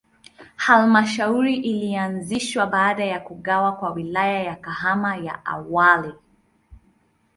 Halmashauri ilianzishwa baada ya kugawa kwa Wilaya ya Kahama ya awali.